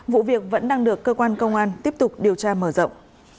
vụ việc vẫn đang được cơ quan công an tiếp tục điều tra mở rộng